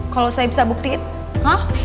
kalau saya bisa buktiin oh